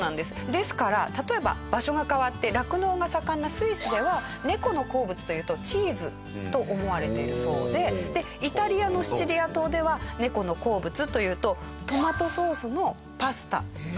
ですから例えば場所が変わって酪農が盛んなスイスでは猫の好物というとチーズと思われているそうでイタリアのシチリア島では猫の好物というとトマトソースのパスタだと思われているそう。